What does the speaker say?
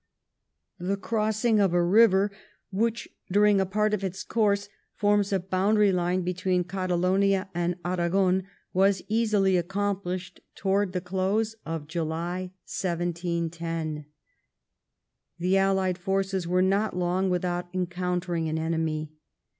The crossing of a river which during a part of its course forms a boundary line between Catalonia and Aragon was easily accomplished towards the close of July 1710. The allied forces were not long without encountering an enemy.